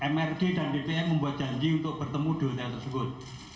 mrd dan bpn membuat janji untuk bertemu di hotel tersebut